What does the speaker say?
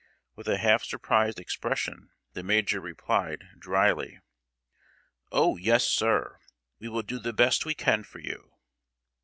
With a half surprised expression, the major replied, dryly: "Oh! yes, sir; we will do the best we can for you."